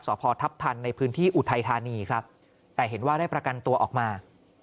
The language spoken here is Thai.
พอทัพทันในพื้นที่อุทัยธานีครับแต่เห็นว่าได้ประกันตัวออกมา